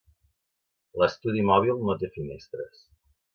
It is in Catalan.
L'estudi mòbil no té finestres.